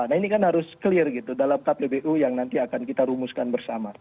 nah ini kan harus clear gitu dalam kpbu yang nanti akan kita rumuskan bersama